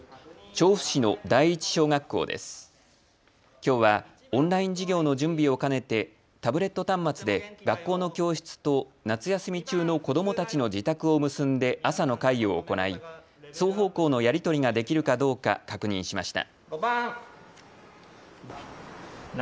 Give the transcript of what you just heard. きょうはオンライン授業の準備を兼ねてタブレット端末で学校の教室と夏休み中の子どもたちの自宅を結んで朝の会を行い、双方向のやり取りができるかどうか確認しました。